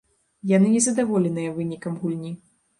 Яны незадаволеныя вынікам гульні.